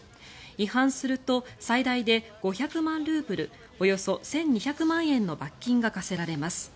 違反すると最大で５００万ルーブルおよそ１２００万円の罰金が科せられます。